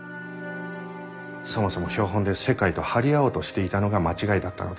そもそも標本で世界と張り合おうとしていたのが間違いだったのだ。